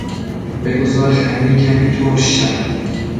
بگذار خمیر کمی ترش شود.